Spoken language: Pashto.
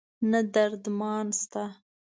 نه درد مان شته